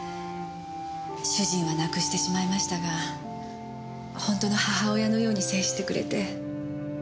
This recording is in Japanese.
主人は亡くしてしまいましたが本当の母親のように接してくれて。